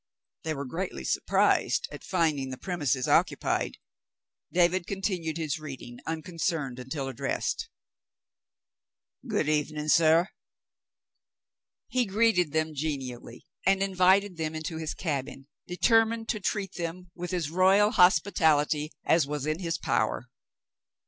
They were greatly surprised at finding the premises occupied. David continued his reading, unconcerned until addressed. "Good evenin*, suh." He greeted them genially and invited them into his cabin, determined to treat them with as royal hospitality as was in his power.